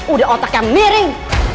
udah otaknya miring